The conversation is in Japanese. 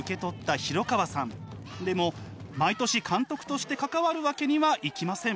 でも毎年監督として関わるわけにはいきません。